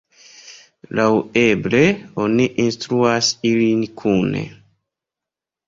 Laŭeble, oni instruas ilin kune.